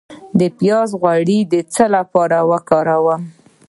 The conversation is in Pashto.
د پیاز غوړي د څه لپاره وکاروم؟